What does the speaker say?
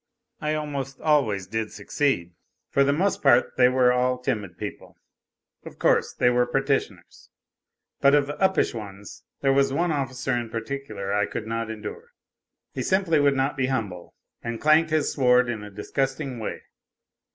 I almost always did succeed. For the most part they were all timid people of course, they w r ere petitioners. But of the uppish ones there was one officer in particular I could not endure. He simply would not be humble, and clanked his sword in a dis gusting way.